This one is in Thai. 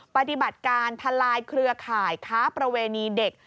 ปฏิบัติการทลายเครือข่ายค้าประเวณีเด็ก